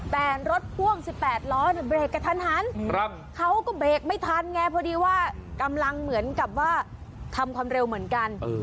แต่รถพ่วง๑๘ล้อเนี่ยเบรกกระทันหันเขาก็เบรกไม่ทันไงพอดีว่ากำลังเหมือนกับว่าทำความเร็วเหมือนกัน